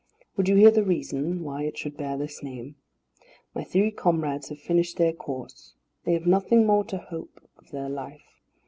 Would you hear the reason why it should bear this name? My three comrades have finished their course; they have nothing more to hope of their life.